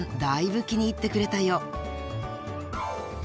だいぶ気に入ってくれたよう］